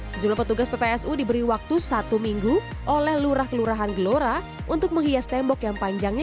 sejumlah petugas ppsu diberi waktu satu minggu oleh lurah kelurahan gelora untuk menghias tembok yang panjangnya